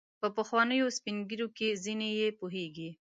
په پخوانیو سپین ږیرو کې ځینې یې پوهیږي.